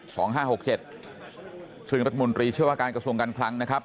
ซึ่งรัฐบาลมนตรีเชื่อว่าการกระทรวงการคลังนะครับ